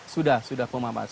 sudah sudah memanfaatkan